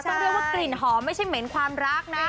ต้องเรียกว่ากลิ่นหอมไม่ใช่เหม็นความรักนะ